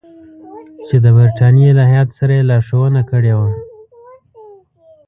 چې د برټانیې له هیات سره یې لارښوونه کړې وه.